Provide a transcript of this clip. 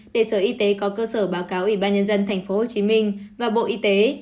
để sở y tế có cơ sở báo cáo ủy ban nhân dân tp hcm và bộ y tế